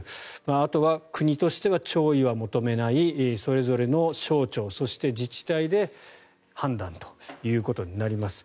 あとは国としては弔意は求めないそれぞれの省庁そして、自治体で判断ということになります。